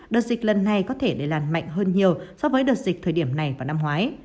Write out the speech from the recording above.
đợt dịch lần này có thể để làn mạnh hơn nhiều so với đợt dịch thời điểm này vào năm ngoái